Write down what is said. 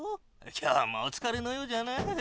今日もおつかれのようじゃな。